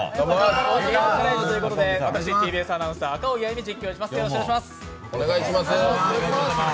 ゲーム対決ということで私、ＴＢＳアナウンサー・赤荻歩実況いたします。